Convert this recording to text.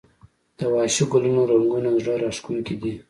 د وحشي ګلونو رنګونه زړه راښکونکي دي